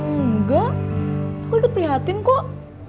enggak aku ikut prihatin kok